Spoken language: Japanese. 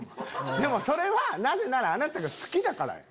でもそれはなぜならあなたが好きだからよ。